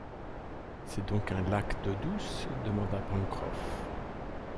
C’est donc un lac d’eau douce ? demanda Pencroff